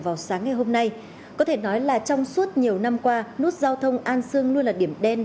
vào sáng ngày hôm nay có thể nói là trong suốt nhiều năm qua nút giao thông an sương luôn là điểm đen